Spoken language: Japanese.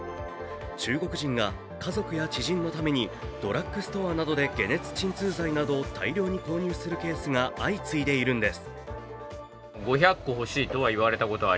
中国人が家族や知人のためにドラッグストアなどで解熱鎮痛剤などを大量に購入するケースが相次いでいるんです。